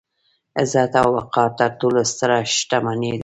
عزت او وقار تر ټولو ستره شتمني ده.